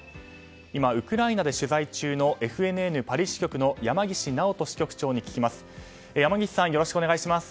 今、ウクライナで取材中のＦＮＮパリ支局の山岸直人支局長に聞きます。